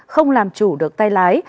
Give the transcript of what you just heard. không làm chủ được tay lái